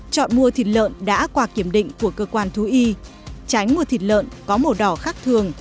chọn mua thịt lợn đã qua kiểm định của cơ quan thú y tránh mua thịt lợn có màu đỏ khác thường